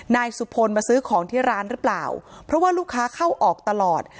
นายสุพลมาซื้อของที่ร้านหรือเปล่าเพราะว่าลูกค้าเข้าออกตลอด